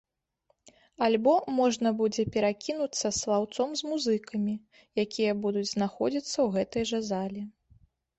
Альбо можна будзе перакінуцца слаўцом з музыкамі, якія будуць знаходзіцца ў гэтай жа залі.